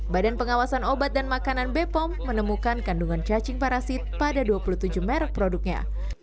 badan pengawasan obat dan makanan bepom menemukan kandungan cacing parasit pada dua puluh tujuh merek produknya